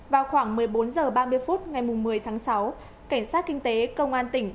vào khoảng một mươi bốn h ba mươi phút ngày một mươi tháng sáu cảnh sát kinh tế công an tỉnh